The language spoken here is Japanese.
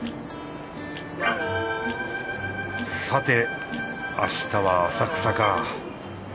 さて明日は浅草か。